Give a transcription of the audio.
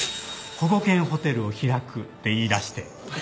保護犬ホテルを開くって言いだして。